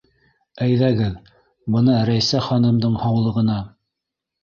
Әйҙәгеҙ, бына Рәйсә ханымдың һаулығына.